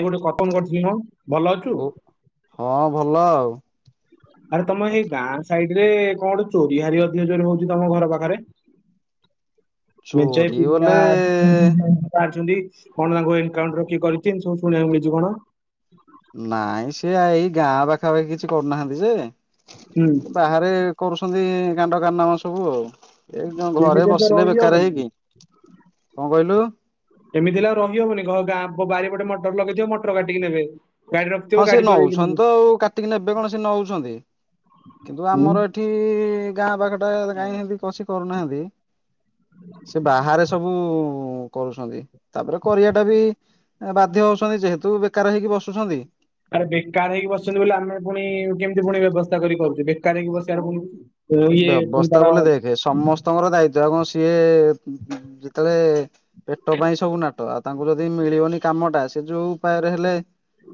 ଏ ଗୋଟେ କପନ କରିଥିଲ କଣ ଭଲ ଅଛୁ କୋ ହଁ ଭଲ ଆଉ ଆରେ ତମ ସେଇ ଗାଁ ସାଇଡ ରେ କଣୋ ଚୋରି ହାରି ଅଧିକ ଚୋରି ହଉଛି ତମ ଘର ପାଖରେ ମିର୍ଚାଇ ଚୋରି ପିା ବୋଲେ ଛନ୍ତି କଣ ତାଙ୍କୁ ଏକାଉଣ୍ଟର କିଏ କରି ସବୁ ଶୁଣିବାକୁ ମିଳିଛି କଣ ନାଇଁ ସେି ଏଇ ଗାଁ ପାଖାପାଖି କିଛି କରୁନାହାନ୍ତି ଯେ ହୁଁ ବାହାରେ କରୁଛନ୍ତି କାଣ୍ଡ କାରନାମା ସବୁ ଆଉ ଏ ଏମିତି ଘରେ ହେଲେ ତ ବସିଲେ ବେକାର ରହିହବନି ହେଇକି କଣ କହିଲୁ ଏମିତି ହେଲା ରହିହବନି ଗାଁ ବାରି ପଟେ ମଟର ଲଗେଇଥିବ ମଟର କାଟିକି ନେବେ ଗାଡି ରଖିଥିବ ହଁ ସେ ଗାଡି ଚୋରେଇକି ନଉଛନ୍ତି ନେବେ ତ ଆଉ କାଟିକି ନେବେ କଣ ସେ ନଉଛନ୍ତି କିନ୍ତୁ ହୁଁ। ଆମର ଏଠି ଏଠି ଗାଁ ପାଖଟା କାଁଇ ଏମିତି ପସି କରୁନାହାନ୍ତି ସେ ବାହାରେ ସବୁ କରୁଛନ୍ତି ତାପରେ କରିବାଟା ବି ବାଧ୍ୟ ହଉଛନ୍ତି ଯେହେତୁ ବେକାର ହେଇକି ବସୁଛନ୍ତି ଆରେ ବେକାର ହେଇକି ବସଛନ୍ତି ବୋଲି ଆମେ ପୁଣି କେମିତି ପୁଣି ବ୍ୟବସ୍ଥା କରି କରୁଛୁ ବେକାର ହେଇକି ବସିବାର ଭୁଲ ଇଏ ପୁଣି ତାର ସମସ୍ତ ଙ୍କର ଦାୟିତ୍ଵ ଆଉ କଣ ସିଏ ଯେତେବେଳେ ପେଟ ପାଇଁ ସବୁ ନାଟ ଆଉ ତାଙ୍କୁ ଯଦି ମିଳିବନି କାମଟା ସେ ଯୋଉ ଉପାୟରେ ହେଲେ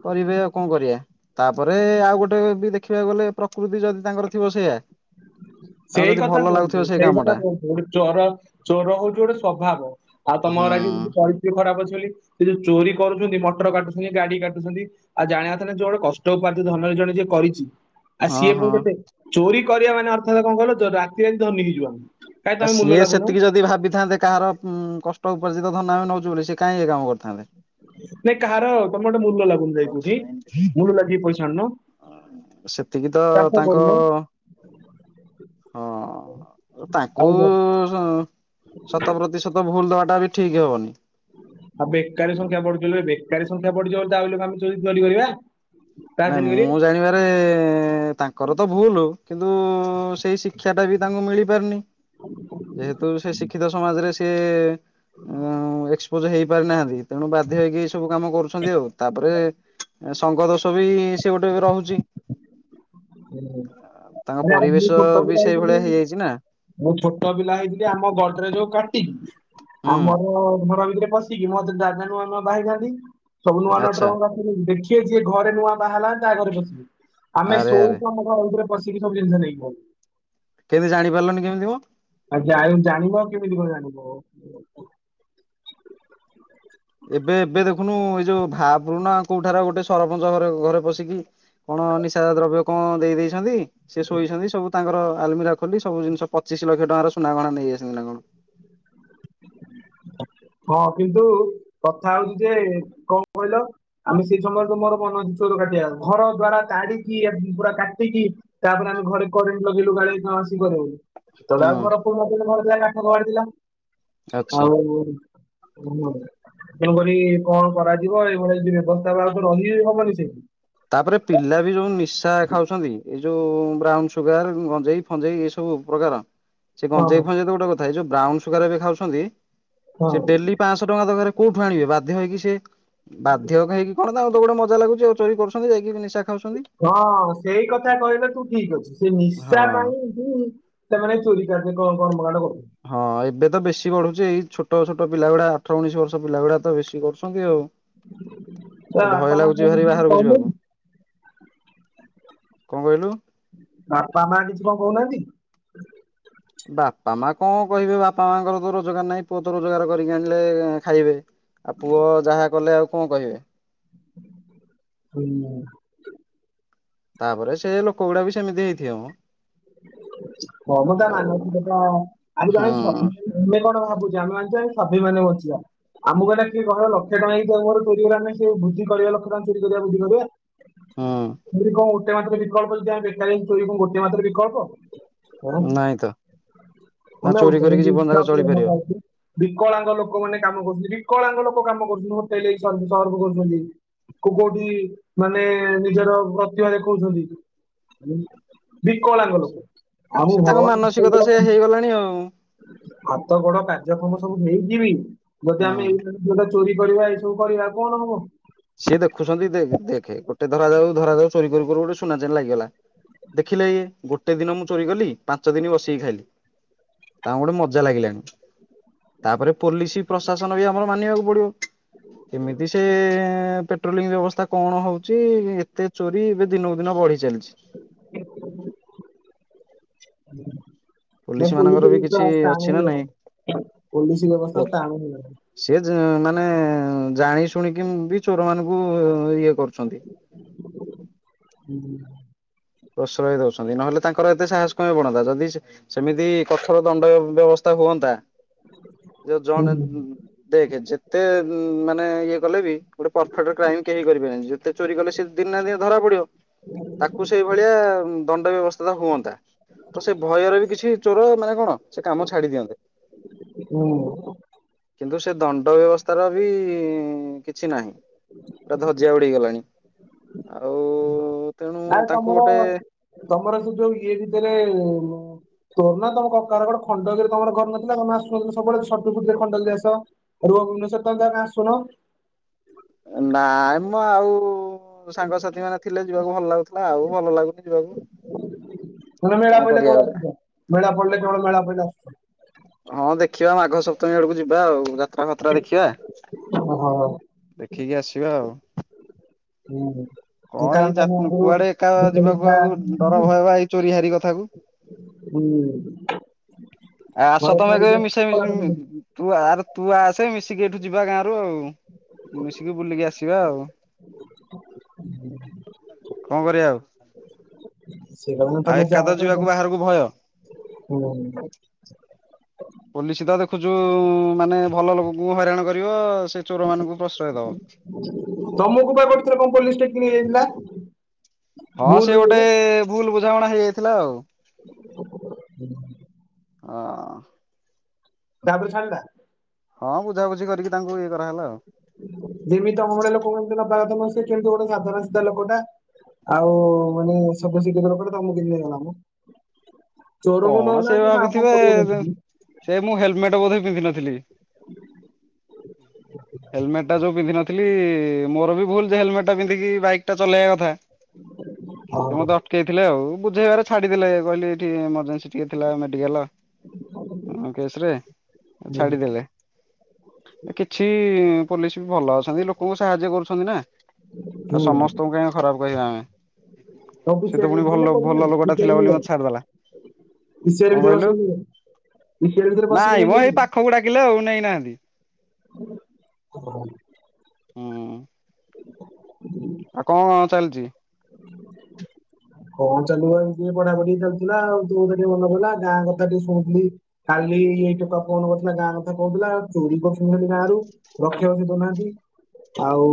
କରିବେ ଆଉ କଣ କରିବା ତାପରେ ଆଉ ଗୋଟେ ବି ଦେଖିବାକୁ ଗଲେ ପ୍ରକୃତି ଯଦି ତାଙ୍କର ଥିବ ସେଇୟା ସେଇ କଥା କୁହନ୍ତୁ ସେଇ କଥା କୁହନ୍ତୁ ଗୋଟେ ଚୋର ଚୋର ହଉଛି ଗୋଟେ ସ୍ବଭାବ ଆଉ ତମ ହୁଁ ଘରେ ଆଜି ପରିସ୍ଥିତି ଖରାପ ଅଛି ବୋଲି ସେ ଯୋଉ ଚୋରି କରୁଛନ୍ତି ମଟର କାଟୁଛନ୍ତି ଗାଡି କାଟୁଛନ୍ତି ଆଉ ଜାଣିବା କଥା ନା ଯୋ ଗୋଟେ କଷ୍ଟ ଉପାର୍ଜିତ ଧନରେ ଜଣେ ଯିଏ କରିଛି ଆଉ ହଁ ସିଏ ହଁ। ପୁଣି କେତେ ଚୋରି କରିବା ମାନେ ଅର୍ଥାତ କଣ କହିଲ ଯ ରାତି ରାତି ଧନି ହେଇଯିବା ଆମେ। କାଇଁ ଆଉ ତମେ ମୂଲ ସିଏ ଲାଗୁନ ସେତିକି ଯଦି ଭାବିଥାନ୍ତେ କାହାର ଉଁ କଷ୍ଟଉପାର୍ଜିତ ଧନ ଆମେ ନୋଉଚୁ ବୋଲି ସେ କାଇଁ ଏ କାମ କରିଥାନ୍ତେ। ନାଇଁ କାହାର ତମେ ଗୋଟେ ମୂଲ ଲାଗୁନୁ ଯାଇ କୋଉଠି ମୂଲ ଲାଗି ପଇସା ଆଣୁନୁ। ଅ ସେତିକି ତ ତାଙ୍କ ହଁ। ଆଉ ତାଙ୍କୁ ଜ- ଶ ଶତ ପ୍ରତିଶତ ଭୁଲ ଦବାଟା ବି ଠିକ ହବନି। ଆଉ ବେକାରୀ ସଂଖ୍ୟା ବଢୁଚି ବୋଲି ବେକାରୀ ସଂଖ୍ୟା ବଢିଯିବ ବୋଲି ତା ବୋଲି କଣ ଆମେ ଚୋରି ଚୋରି କରିବା। ନାଇଁ ରାଜନୀତି ମୁଁ ଜାଣିବା ରେ ତାଙ୍କର ତ ଭୁଲୁ କିନ୍ତୁ ସେଇ ଶିକ୍ଷାଟା ବି ତାଙ୍କୁ ମିଳି ପାରୁନି। ଯେହେତୁ ସେ ଶିକ୍ଷିତ ସମାଜରେ ସିଏ ଏଁ ଏକ୍ସପୋଜ ହେଇ ପାରିନାହାନ୍ତି ତେଣୁ ବାଧ୍ୟ ହେଇକି ଏଇ ସବୁ କାମ କରୁଛନ୍ତି ଆଉ ତାପରେ ଏ ସଙ୍ଗ ଦୋଷ ବି ସେ ଗୋଟେ ବି ରହୁଚି। ନା ପରିବେଶ ଆମେ ବି ଛୋଟପିଲା ସେଇଭଳିଆ ହେଇଚୁ ହେଇଯାଇଛି ନା [unintelligible] ମୁଁ ଛୋଟପିଲା ହେଇଥିଲି ଆମ ଗଢରେଜକୁ କାଟିିକି ହୁଁ ଆମର ଘର ଭିତରେ ପସି ସିକି ମତେ ଦାଦା ନୂଆ ନୂଆ ବାହା ହୋଇଥାନ୍ତି ସବୁ ନୂଆ ନୂଆ ଆଚ୍ଛା ଟ୍ରଙ୍କ ଦେଖିବେ ଯିଏ ଘରେ ନୂଆ ବାହାହେଲା ମାନେ ତା ଘରେ ପସିବେ। ଆରେ ଆରେ। ଆମ ଘର ଭିତରେ ପଶିକି ସବୁ ଜିନଷ ନେଇକି ପଳଲେ। କେମିତି ଜାଣିପାରିଲନି କେମିତିମ? ଆଉ ଜାଣି ଜାଣିବ ଆଉ କେମିତିମ ଜାଣିବ। ଏବେ ଏବେ ଦେଖୁନୁ ଏଇ ଯୋଉ ଭାବୁନ କୋଉଠାରେ ଗୋଟେ ସରପଞ୍ଚ ହର ଘରେ ପଶିକି କଣ ନିଶା ଦ୍ରବ୍ୟ କଣ ଦେଇ ଦେଇଛନ୍ତି। ସେ ଶୋଇଛନ୍ତି ସବୁ ତାଙ୍କର ଆଲମିରା ଖୋଲି ସବୁ ଜିନଷ ପଚିଶ ଲକ୍ଷ ଟଙ୍କାର ସୁନା ଗହଣା ନେଇ ଯାଇଛନ୍ତି ନା କଣ। ହଁ କିନ୍ତୁ କଥା ହୋଉଚି ଯେ କଣ କହିଲ ଆମେ ସେଇ ସମୟରେ ତ ମୋର ମନ ଚୋର କାଟିବାକୁ ଘର ଦ୍ଵାରା ତାଢିକି ଆ ପୁରା କାଟିକି ତାପରେ ଆମେ ଘରେ କରେଣ୍ଟ ଲଗେଇଲୁ କାଳେ କଣ ଆସିପାରିବ ବୋଲି। ସେତୋଳେ ଆଉ ହୁଁ ଘର [unintelligible] ଘର ଥିଲା ଆଉ କାଠ କବାଟ ଥିଲା ଆଚ୍ଛା। ଆଉ ଅହଁ ତେଣୁକରି କଣ କରାଯିବ ଏଇଭଳି ଯଦି ବ୍ୟବସ୍ତା ବା ଆଗକୁ ରହି ହିିବନି ସେଠି। ତାପରେ ପିଲା ବି ଯୋଉ ନିଶା ଖାଉଛନ୍ତି ଏଇ ଯୋଉ ବ୍ରାଉନ ସୁଗାର ଗଞ୍ଜେଇ ଫଞ୍ଜେଇ ଏଇ ସବୁ ପ୍ରକାର ହ ସେ ଗଞ୍ଜେଇ ଫଞ୍ଜେଇ ଗୋଟେ କଥା ଏଇ ଯୋଉ ବ୍ରାଉନ ସୁଗାର ଏବେ ଖାଉଛନ୍ତି ସେ ହଁ। ଡେଲି ପାଂଶ ଟଙ୍କା ଦରକାରେ କୋଉଠୁ ଆଣିବେ ବାଧ୍ୟ ହେଇକି ସିଏ ବାଧ୍ୟ କା ହେଇକି କଣ ତାଙ୍କୁ ତ ଗୋଟେ ମଜା ଲାଗୁଚି ଆଉ ଚୋରି କରୁଛ ଯାଇକି ବି ନିଶା ଖାଉଛନ୍ତି। ହଁ ସେଇ କଥା କହିଲେ ତୁ ଠିକ ଅଛି ସେ ନିଶା ହଁ ପାଇଁ ହୁଁ ସେମାନେ ଚୋରି କରିବେ କଣ କଣ ଭଲ [inaudible] ହଁ ଏବେ ତ ବେଶୀ ବଢୁଚି ଏଇ ଛୋଟ ଛୋଟ ପିଲାଗୁଡା ଅଠର ଉଣେଇଶ ବର୍ଷର ପିଲାଗୁଡା ତ ବେଶୀ କରୁଛନ୍ତି ଆଉ। ତା ଏ ଭୟ ବାପା ମା କଣ ଲାଗୁଚି ଭାରି କିଛି ବାହାରକୁ ଯିବାକୁ। କହୁନାହାନ୍ତି କଣ କହିଲୁ? ବାପା ମାଆ କିଛି କଣ କହୁନାହାନ୍ତି? ବାପାମାଆ କଣ କହିବେ ବାପାମାଙ୍କର ତ ରୋଜଗାର ନାହିଁ ପୁଅ ତ ରୋଜଗାର କରିକି ଆଣିଲେ ଖାଇବେ। ଆଉ ପୁଅ ଯାହା କଲେ ଆଉ କଣ କହିବେ। ହୁଁ ହୁଁ। ତାପରେ ସେ ଲୋକଗୁଡା ବି ସେମିତି ହେଇଥିବେ ମ। ହଁମ ତା ଆଉ ମାନସିକ ତ ଆଜି ହୁଁ ଜଣେ [inaudible] ତୁମେ କଣ ଭାବୁଚ ଆମେମାନେ ଚାଏ ସ୍ୱାଭିମାନରେ ବଞ୍ଚିବା। ଆମକୁ ଗୋଟେ କିଏ କହିବ ଲକ୍ଷେ ଟଙ୍କାଇ ତୋର ମୋର ଚୋରି କରିବା ପାଇଁ ସେ ବୁଦ୍ଧି କରିବା ଲକ୍ଷେ ଟଙ୍କା ଚୋରି କରିବା ବୁଦ୍ଧି କରିବା? ହୁଁ ଚୋରି କଣ ଗୋଟେ ମାତ୍ର ବିକଳ୍ପ ଯଦି ଆମେ ବେକାରୀ ଅଛୁ ଚୋରି କଣ ଗୋଟିଏ ମାତ୍ର ବିକଳ୍ପ? ଆଁ ନାଇଁ ତ ନା ଆମେ ଚୋରି କରିକି [unintelligible] ଜୀବନ ଯାକ ଇଚ୍ଛାପୂର୍ନ ଚଳିପାରିବ। ପା ଏଠି। ବିକଳାଙ୍ଗ ଲୋକମାନେ କାମ କରୁଚନ୍ତି ବିକଳାଙ୍ଗ ଲୋକ କାମ କରୁଚନ୍ତି ହୋଟେଲେ ଯାଇ ସର୍ବ ସର୍ଭ କରୁଚନ୍ତି। ତୁ କୋଉଠି ମାନେ ନିଜର ପ୍ରତିଭା ଦେଖୋଉଛନ୍ତି। ମୁଁ ବିକଳାଙ୍ଗ ଲୋକ ସେ ଆଉ ତାଙ୍କ ମାନସିକତା ସେ ଭଗବାନଙ୍କୁ ହେଇଗଲାଣି ଆଉ ହାତ ଗୋଡ କାର୍ଯ୍ୟକ୍ରମ ସବୁ ନେଇକିବି ଯଦି ହୁଁ। ଆମେ ଏଇ ଜିନିଷ ଚୋରି କରିବା ଏଇ ସବୁ କରିବା କଣ ହବ? ସିଏ ଦେଖୁଛନ୍ତି ଦେଖେ ଦେଖେ ଗୋଟେ ଧରା ଯାଉ ଧରା ଯାଉ ଚୋରି କର କରୁ ଗୋଟେ ସୁନାଚେନ୍ ଲାଗିଗଲା ଦେଖିଲେ ଇଏ ଗୋଟେ ଦିନ ମୁଁ ଚୋରି କଲି ପାଞ୍ଚ ଦିନ ବସିକି ଖାଇଲି। ତାଙ୍କୁ ଗୋଟେ ମଜା ଲାଗିଲାଣି। ତାପରେ ପୋଲିସ ପ୍ରଶାସନ ବି ଆମର ମାନିବାକୁ ପଡିବ। କେମିତି ସେ ପେଟ୍ରୋଲିଂ ବ୍ୟବସ୍ଥା କଣ ହଉଛି ଏତେ ଚୋରି ଏବେ ଦିନକୁ ଦିନ ବଢି ଚାଲିଛି। ହ [unintelligible] ନା ପୋଲିସ ମାନଙ୍କର ବି ବ୍ୟବସ୍ଥା କିଛି ସ୍ଥାନ ଅଛି ନା ହି ହବ ନାଇଁ ପୋଲିସ ବ୍ୟବସ୍ଥା ସ୍ଥାନ ହି ହେଲା। ସେ ମାନେ ଜାଣି ଶୁଣିକି ବି ଚୋର ମାନଙ୍କୁ ଇଏ କରୁ ହୁଁ। ପ୍ରଶୟ ଦେଉଛନ୍ତି ନହେଲେ ତାଙ୍କର ଏତେ ସାହସ କାଇଁ ବଢ଼ନ୍ତା ଯଦିସେ ସେମିତି କଠୋର ଦଣ୍ଡ ବ୍ୟବସ୍ଥା ହୁଅନ୍ତା ଯୋଉ ହୁଁ ଜଣେ ହୁଁ ଦେଖ୍। ଯେତେ ମାନେ ଇଏ କଲେ ବି ଗୋଟେ ପରଫେକ୍ଟ କ୍ରାଇମ କେହି କରିପାରିବେନି ଯେତେ ଚୋରି କଲେ ସେ ଦିନ ନା ଦିନ ଧରା ପଡିବ ତାକୁ ସେଇ ଭଳିଆ ଦଣ୍ଡ ବ୍ୟବସ୍ଥା ତ ହୁଅନ୍ତା। ତ ସେ ଭୟରେ ବି କିଛି ଚୋର ମାନେ କଣ ସେ କାମ ଛାଡି ଦିଅନ୍ତେ। ହୁଁ। କିନ୍ତୁ ସେ ଦଣ୍ଡ ବ୍ୟବସ୍ଥାର ବି କିଛି ନାହିଁ। ପୁରା ଧଜିଆ ଉଡିଗଲାଣି ଆଉ ତେଣୁ ଆଉ ତାଙ୍କୁ ତମର ଗୋଟେ ତମର ସେ ଯୋଉ ଇଏ ଭିତରେ ତୋର ନା ତମ କକାର କୁଆଡେ ଖଣ୍ଡଗିରିରେ ତମର ଘର ନଥିଲା ତମେ ଆସୁନଥିଲ ସବୁବେଳେ ଛୁଟିରେ ଖଣ୍ଡଗିରି ଆସ। ଭୁବନେଶ୍ଵର ତ ତମେ ଆସୁନ ନାଇଁ ମଁ ଆଉ ସାଙ୍ଗସାଥି ମାନେ ଥିଲେ ଯିବାକୁ ଭଲ ଲାଗୁଥିଲା ଆଉ ଭଲ ଲାଗୁନି ଯିବାକୁ। ତମେ ମେଳା ପଇଲେ କରିବା କଣ ଆଉ ମେଳା ପଡିଲେ କଣ ମେଳା ପାଇଲେ ହବ। ହଁ ଦେଖିବା ମାଘ ସପ୍ତମୀ ଆଡ଼କୁ ଯିବା ଆଉ ଯାତ୍ରା ଫାତ୍ରା ଦେଖିବା ଓହୋ! [unintelligible] ଦେଖିକି ଆସିବା ଆଉ। ହୁଁ ହୁଁ। କଣ ଏଇ କାରଣ ତମେ ଯାତ୍ରା, ଆଗରୁ କୁଆଡେ ଏକା ଯେତେବେଳେ ଯିବାକୁ ଆଉ ଡର ଥିଲା ଭୟବା ଏଇ ଚୋରି ହାରି କଥା କୁ। ହୁଁ ଆ ଘର ସତ ଛାଡିକି କହିବି ମିଶାଇ ମିଶ ଆସିକି ତୁ ଆରେ ତୁ ଆସେ ମିଶିକି ଏଇଠୁ ଯିବା ଗାଁରୁ ଆଉ ମିଶିକି ବୁଲିକି ଆସିବା ଆଉ ହୁଁ [unintelligible] କଅଁ କରିବା ଆଉ ସେଇଟା ବା ଆଉ ତମେ ଏକା ତ ଯାଉଁ ଯିବାକୁ ବାହାରକୁ ଭୟ। [unintelligible] ପୋଲିସ ତ ଦେଖୁଛୁ ମାନେ ଭଲ ଲୋକଙ୍କୁ ହଇରାଣ କରିବ ସେ ଚୋର ମାନଙ୍କୁ ପ୍ରଶ୍ରୟ ଦବ। ତମକୁ ବା ଗୋଟେ ଥର କଣ ପୋଲିସ୍‌ଟେକିନେଇ ଯାଇଥିଲା। ହଁ ସେ ଗୋଟେ ଭୁଲ ବୁଝାମଣା ହେଇଯାଇଥିଲା ଆଉ ହଁ। ତା ବରେ ଛାଡ଼ିଲା। ହଁ ବୁଝାାବୁଝି କରିକି ତାଙ୍କୁ ଇଏ କରାେଲା ଆଉ ଯେମିତି ତମ ଭଳିଆ ଲୋକଗୁଡ଼ାଙ୍କୁ ଅବାଗତ ନ ସେେ କିନ୍ତୁ ଗୋଟେ ସାଧାରଣ ସିଧା ଲୋକଟା। ଆଉ ମାନେ ସବୁ ଶିଖିଗଲା ପରେତମକୁ କେମିତି ନେଇଗଲା ମ ଚୋରକୁ କଣ ସେ ନଉନାହାନ୍ତି ନା ଆମକୁ ଭାବିଥିବେ କରିବ କେମତି। ସେ ମୁଁ ହେଲମେଟ ବୋଧେପିନ୍ଧ ନଥିଲି ହେଲମେଟ ଟା ଯୋଉ ପିନ୍ଧନଥି କଇଲି ମୋର ବି ଭୁଲ ଯେ ହେଲମେଟ୍ଟା ପିନ୍ଧିକି ବାଇକ୍ ଟା ଚଲେଇବା କଥା ସେ ଓହୋ ମୋତେ ଅଟକେଇଥିଲେ ଆଉ ବୁଝେଇବାରେ ଛାଡିଥିଲେ କହିଲି ଏଠି ମତେ ରିକ୍‌ସ ଟିକେଥିଲା ମେଡିକାଲ କେସରେ ହୁଁ ଛାଡିଦେଲେ। କିଛି ପୋଲିସ ବି ଭଲ ଅଛନ୍ତି। ଲୋକଙ୍କୁ ସାହାଯ୍ୟ କରୁଛନ୍ତି ନା। ଆଉ ହୁଁ ସମସ୍ତଙ୍କୁ କାହିଁ ଖରାପ କହିବା ଆମେ। ତମକୁ ସେତ ପିସିଆରରେ ପୁଣି ନେଇଥିଲେ ନା ଭଲ କୋଉଠି ଭଲ ନେଲେ ଲୋକ ଟା ପିସିଆରରେ ଥିଲା ବୋଲି ନେଇଗଲେ ମତେ ଛଡିଦେଲା। କଣ ପିସିଆର ଭିତରେ କହିଲୁ ବସେଇକି ନେଇଗଲେ ପିସିଆର ଭିତରେ ବସିକି ନାଇଁ ମୋ ଏଇ ନେଇଯାଇଥିଲେ ପାଖକୁ ଡାକିଲେ ଆଉ ନେଇନାହାନ୍ତି। [inaudible] ହୁଁ ଆଉ କ ଚାଲିଛି। କଣ ଚାଲୁ ଏମ ଟେ ପଢା ପଢି ଚାୁଲୁଥିଲା ଆଉ ତୋ କଥା ଟିକେ ଭଲ ପଡିଲା ଗାଁ କଥା ଟିକେ ଶୁଥିଲି। କାଲି ଏଇ ଟକା କଣ କରୁଥିଲା ଗାଁ କଥା କହୁଥିଲା। ଚୋରି କରସୁଥିଲି ଗାଁ ରୁ। ରଖିବାଛି ଦଉନାହାନ୍ତି। ଆଉ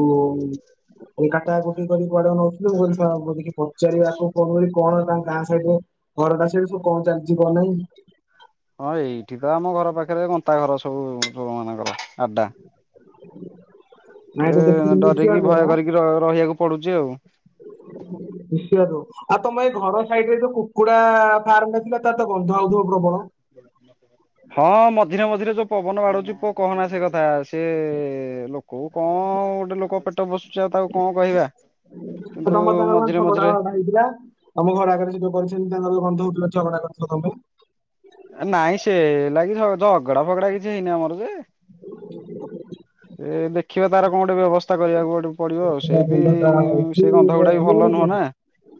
ଏ କାଟା କୁଟି କର କୁଆଡେ ନଉଥିଲିଁ କ ବିକି ପଚାରିବାକୁ କଣ କଣ ତାଙ୍କ ଗାଁ ସହିତ ଘରଟା ସହି ସବ କଣ ଚାଲିଛି କ ନାହିଁ। ହଁ ଏଇଠି ତ ଆମ ଘର ପାଖରେ ଗନ୍ତା ଘର ସବୁ ମାନଙ୍କର ଆଡା। [inaudible] ନାଇଁ ଏ ତୁ ଦେଖିଲୁ ଡରିକି ନିଶିଆରୁ ଭୟ କରିକି ରହିବାକୁ ପଡୁଛି ଆଉ। ନିଶଦୁ ଆଉ ତମେ ଏଇ ଘର ସାଇଡ ରେ ଯୋଉ କୁକୁଡା ଫାର୍ମ ରେ ଥିଲା ତା ତ ଗନ୍ଧ ହଉଥିବ ପ୍ରବଳ। [inaudible] ହଁ ମଝିରେ ମଝିରେ ଯୋଉ ପବନ ବାଡୁଉଛି ପୁଅ କହନା ସେ କଥା ସେ ଲୋକ କୋଉ କଣ ଗୋଟେ ଲୋକ ପେଟ ପୋସୁଛି ଆଉ ତାକୁ କଣ କହିବା। ତ କିନ୍ତୁ ତମର ତାଙ୍କର କଣ ମଝିରେ ଝଗଡା ମଝିରେ ଫଗଡା ହେଇଥିଲା ଆମ ଘର ଆଗରେ ଯ ଯୋଉ କରିଛନ୍ତି ତାଙ୍କର ଗନ୍ଧ ହଉଥିଲ ଝଗଡା କରିଥଥିଲ ତମେ। ନାଇଁ ସେ ଲାଗି ଝଗଡା ଫଗଡା କିଛି ହେଇନି ଆମର ଯେ [inaudible] ସେ ଦେଖିବା ତାର କଣ ଗୋଟେ ବ୍ୟବସ୍ଥା କରିବାକୁ ଗୋଟେ ପଡିବ ଆଉ ସେ ବି ସେ ପା ଗୁଡା ବି ଭଲ ନୁହଁ ନା।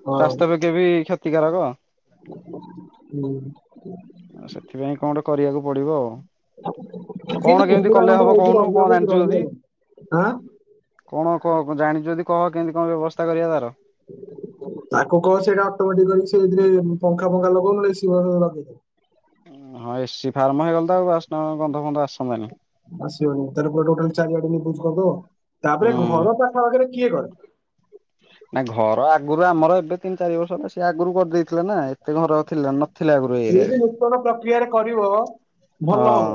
ବ ରାସ୍ତାପେକ୍ଷା ବି କ୍ଷତିକାରକ। ହୁଁ। ସେଥିପାଇଁ କଣ ଗୋଟେ କରିବାକୁ ପଡିବ ଆଉ। କିନ୍ତୁ କଣ କେମିତି କୁକୁଡ଼ା କଲେ ଗନ୍ଧ ହବ ହଉଛି କହୁନୁ। ରହିହବ କଣ କି ରହିହବନି ଆଁ କ ଜାଣିଛଛନ୍ତି କହ କେମତି କଣ ବ୍ୟବସ୍ଥା କରିବା ତାର। ତାକୁ କହ ସେଇଟା ଅଟୋମଟିକ ସେଥିରେ ପଖା ଫଖା ଲଗାଉ ନ ହେଲେ ଏସି ଲଗେଇ ଦଉ। ହଁ ଏସିି ଫାର୍ମ ହେଇଗଲ ତ ଆଉ ଟ ଗନ୍ଧ ଫନ୍ଧ ଆସନ୍ତାନି। ଆସିବନି ତାର ପ ଟୋଟାଲ ଚାରିଆଡେ ବୁଝ କ ତ ତାପରେ ହୁଁ। ଘର ପାଖାପଖରେ କିଏ କରେ। ନା ଘର ଆଗରୁ ଆମର ଏବେ ତିନି ଚାରି ବର୍ଷ ହେଲା ସେ ଆଗରୁ କରିଦେଇଥିଲେ ନା। ଏତେ ଘର ଥିଲା ନଥିଲା ଆଗରୁ ଏ ଏରିଆରେ। ଏମିତି ନୂତନ ପ୍ରକ୍ରିୟାରେ କରିବ। ହଁ ଭଲ ହବ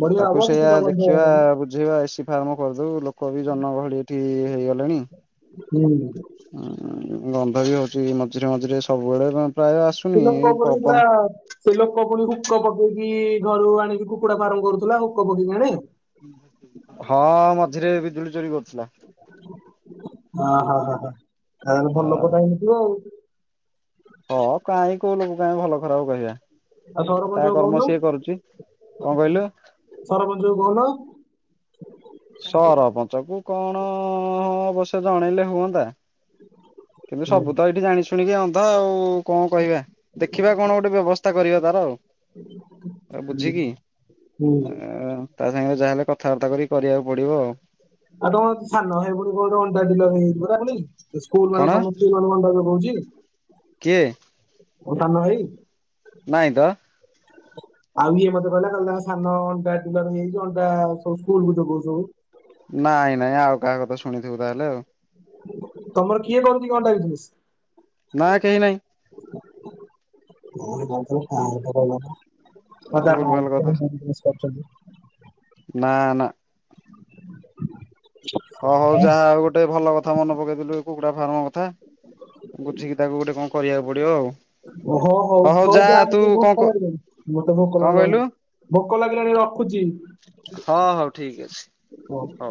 ବଢିଆ ହବ ତାକୁ କିଛି ସେଇଆ ତ ଗନ୍ଧ ଦେଖିବା ହବନି ବୁଝି ବା ଏସି ଫାର୍ମ କରିଦଉ ଲୋକ ବି ଜନଗହଳି ଏଠି ଇଏ ହେଇଗଲେଣି। ହୁଁ। ହଁ ଗନ୍ଧ ବି ହଉଚି ମଝିରେ ମଝିରେ ସବୁବେଳେ ପ୍ରାୟ ଆସୁନି ଏଇ ପବନ ସେ ଲୋକ ପୁଣି ହୁକ ପକେଇକି ଘରୁ ଆଣିକି କୁକୁଡା ଫାର୍ମ କରୁଥିଲା ହୁକ ପକେଇକି ଆଣେ। ହଁ ମଝିରେ ବିଜୁଳି ଚୋରି କରୁଥିଲା। ଅହ ହ ହ ତାହାଲେ ଭଲ ଲୋକଟା ହେଇନଥିବ ଆଉ। ହଁ କାହିଁ କୋଉ ଲୋକ କାହିଁ ଭଲ ଖରାପ କହିବା। ଆଉ ତା ସରପଞ୍ଚକୁ କହୁନ କର୍ମ ସିଏ କରୁଛି କଣ କହିଲୁ? ସରପଞ୍ଚକୁ କହୁନ। ସରପଞ୍ଚ କୁ କଣ ଅବସ୍ୟ ଜଣେଇଲେ ହୁଅନ୍ତା। କିନ୍ତୁ ହୁଁ ସବୁ ତ ଏଇଠି ଜାଣି ଶୁଣିକି ଅନ୍ଧ ଆଉ। କଣ କହିବା ଦେଖିବା କଣ ଗୋଟେ ବ୍ୟବସ୍ଥା କରିବା ତାର ଆଉ। ଆ ବୁଝିକି ଆ ହୁଁ, ହୁଁ। ତା ସାଙ୍ଗରେ ଯାହାହେଲେ କଥାବାର୍ତ୍ତା କରି କରିବାକୁ ପଡିବ ଆଉ। ଆଉ ତମ ସାନ ଭାଇ ହେଇ କୋଉଠି ଅଣ୍ଡାଡିଲର ହେଇ ପରା ପୁଣି। ସ୍କୁଲ୍ ମାନେ କଣ ତମ [unintelligible] ମୋ କିଏ? ସାନ ଭାଇ? ନାଇଁ ତ। ଆଉ ଇଏ ମତେ କହିଲା [unintelligible] ତାଙ୍କ ସାନ ଅଣ୍ଡା ଡିଲର ହେଇଯାଇଛି, ଅଣ୍ଡା ସବୁ ସ୍କୁଲକୁ ଯୋଗୋଉଛି ସବୁ। ନାଇଁ-ନାଇଁ ଆଉ କାହା କଥା ଶୁଣିଥିବୁ ତାହେଲେ ଆଉ। ତମର କିଏ କରୁଚି କି ଅଣ୍ଡା ବିଜନେସ୍? ନାଁ କେହି ନାହିଁ। [unintelligible] ମତେ ଆପଣ ଭୁଲ ଭାଲ [unintelligible] କରୁଚନ୍ତି। ନା-ନା। ହ ହଉ ଯାହା ହଉ ଗୋଟେ ଭଲ କଥା ମନେ ପକେଇଦେଲୁ ଏଇ କୁକୁଡା ଫାର୍ମ କଥା, ବୁଝିକି ତାକୁ ଗୋଟେ କଣ କରିଆକୁ ପଡିବ ଆଉ। ଓ ହଁ ହଉ ଯା ମତେ ଭୋକ ଲାଗିଲାଣି ମତେ ଭୋକ କଣ କହିଲୁ [unintelligible] ଭୋକ ଲାଗିଲାଣି ରଖୁଚି। ହଁ ହଉ ଠିକ୍ ଅଛି। ହଁ ହଉ।